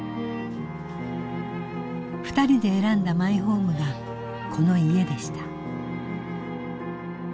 ２人で選んだマイホームがこの家でした。